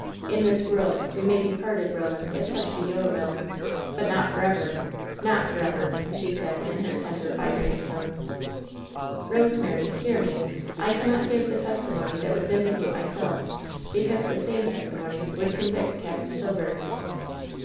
In this world we may be parted, Roland, if such be your will. But not forever ! Not forever !" she said, in her tender, vibrating tones. "Rosemary, hear me! I cannot give the testimony that would vindicate myself, because the same testimony would convict Capt. Silver."